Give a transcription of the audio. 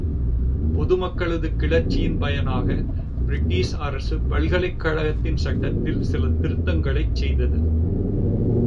பொது மக்களது கிளர்ச்சியின் பயனாக, பிரிட்டிஷ் அரசு பல்கலைக் கழகத்தின் சட்டத்தில் சில திருத்தங்களைச் செய்தது.